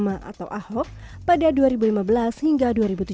atau ahok pada dua ribu lima belas hingga dua ribu tujuh belas